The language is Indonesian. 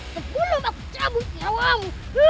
sepuluh baksyamu siawamu